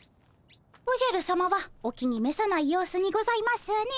おじゃるさまはお気にめさない様子にございますね。